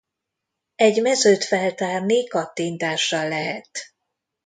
Egy mezőt feltárni kattintással lehet.